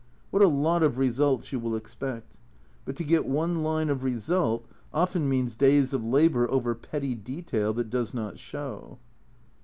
What a lot of results you will expect ! But to get one line of result often means days of labour over petty detail that does not show.